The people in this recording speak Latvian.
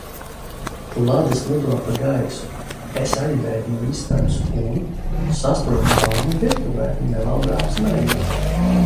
Klades lido pa gaisu, es aizbēgu no istabas un... sastopu mammu virtuvē nevaldāmi smejamies.